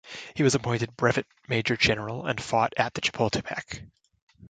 He was appointed brevet major general and fought at the Chapultepec.